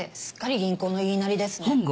すっかり銀行の言いなりですね。